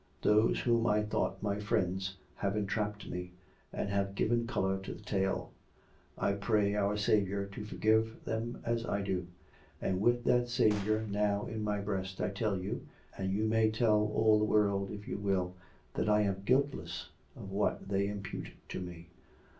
Those whom I thought my friends have entrapped me, and have given colour to the tale. I pray our Saviour to forgive them as I do; and with that Saviour now in my breast I tell you — and you may tell all the world if you will — that I am guiltless of what they impute to me.